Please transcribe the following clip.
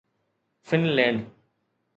Finland